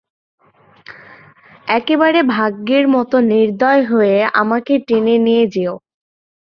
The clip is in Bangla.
একেবারে ভাগ্যের মতো নির্দয় হয়ে আমাকে টেনে নিয়ে যেয়ো।